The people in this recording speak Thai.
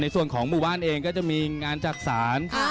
ของหมู่บ้านเองก็จะมีงานจักษาน